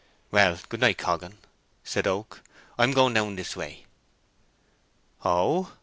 "Well, good night, Coggan," said Oak, "I'm going down this way." "Oh!"